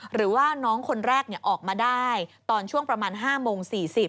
หรือว่าน้องคนแรกออกมาได้ตอนช่วงประมาณ๕โมง๔๐